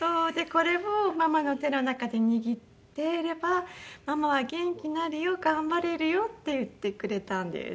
「これをママの手の中で握ってればママは元気になるよ頑張れるよ」って言ってくれたんです。